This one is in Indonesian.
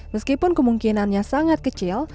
meskipun kemungkinannya sangat kecil